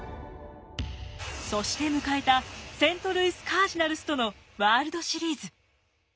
そして迎えたセントルイス・カージナルスとのワールドシリーズ。